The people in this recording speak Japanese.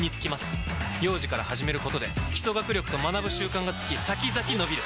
幼児から始めることで基礎学力と学ぶ習慣がつき先々のびる！